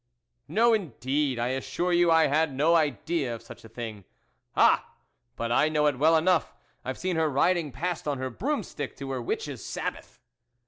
"No, indeed, I assure you I had no idea of such a thing." " Ah ! but I know it well enough ; I've seen her riding past on her broomstick to her Witches' Sabbath."